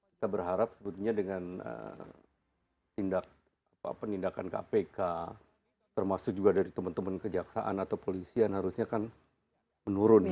kita berharap sebetulnya dengan tindak penindakan kpk termasuk juga dari teman teman kejaksaan atau polisian harusnya kan menurun ya